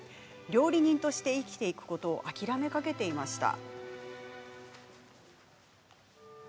料理人として生きていくことを諦めかけていました。